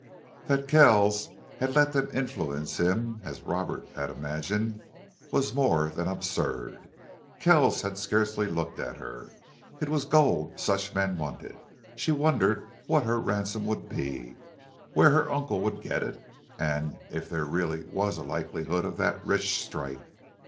That Kells had let that influence him as Roberts had imagined was more than absurd. Kells had scarcely looked at her. It was gold such men wanted. She wondered what her ransom would be, where her uncle would get it, and if there really was a likelihood of that rich strike.